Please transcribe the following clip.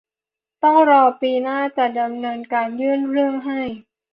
ต้องรอปีหน้าจะดำเนินการยื่นเรื่องให้